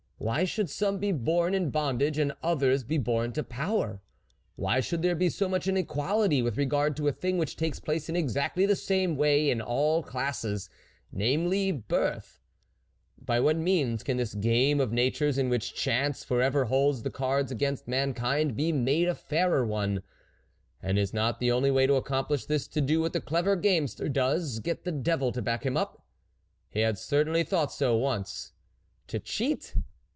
Why should some be born in bondage and others be born to power ? Why should there be so much in equality with regard to a thing which takes place in exactly the same way in all classes namely birth ? By what means can this game of nature's, in which chance for ever holds the cards against mankind, be made a fairer one ? And is not the only way to accomplish this, to do what the clever gamester does get the devil to back him up ? he had certainly thought so once. To cheat